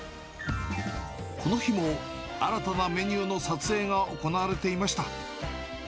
この日も、新たなメニューの撮影が行われていました。